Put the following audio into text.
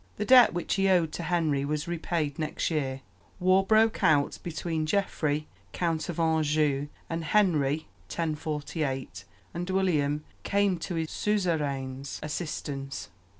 The debt which he owed to Henry was repaid next year. War broke out between Geoffrey, Count of Anjou, and Henry (1048), and William came to his suzerain's assistance.